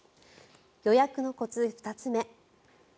予約のコツ、２つ目。